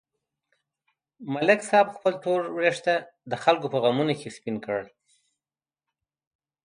ملک صاحب خپل تور وېښته د خلکو په غمونو کې سپین کړل.